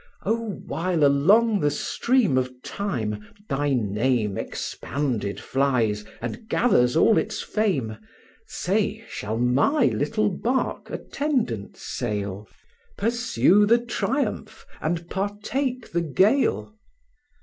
Oh! while along the stream of time thy name Expanded flies, and gathers all its fame, Say, shall my little bark attendant sail, Pursue the triumph, and partake the gale?